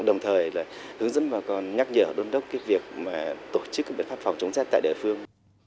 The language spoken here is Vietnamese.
đồng thời là hướng dẫn bà con nhắc nhở đôn đốc việc tổ chức các biện pháp phòng chống dết tại địa phương